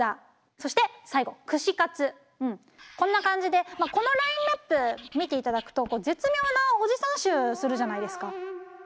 そして最後串カツこんな感じでこのラインナップ見ていただくと絶妙なオジサン臭するじゃないですか。